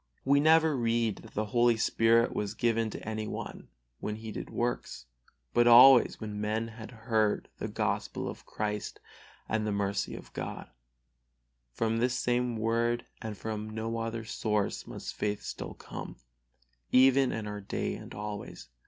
We never read that the Holy Spirit was given to any one when he did works, but always when men have heard the Gospel of Christ and the mercy of God. From this same Word and from no other source must faith still come, even in our day and always.